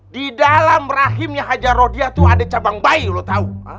di dalam rahimnya hajar rodia tuh ada cabang bayi lo tau